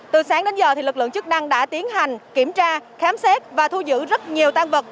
từ sáng đến giờ lực lượng chức năng đã tiến hành kiểm tra khám xét và thu giữ rất nhiều tan vật